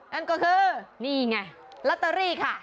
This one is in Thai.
นั่นก็คือนี่ไงลอตเตอรี่ค่ะ